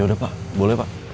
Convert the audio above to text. yaudah pak boleh pak